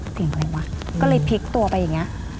เสียงอะไรวะก็เลยพลิกตัวไปอย่างนี้